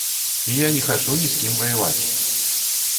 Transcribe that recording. І я не хачу ні з кім ваяваць.